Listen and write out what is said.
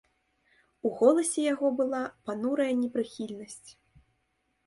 У голасе яго была панурая непрыхільнасць.